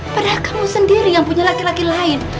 padahal kamu sendiri yang punya laki laki lain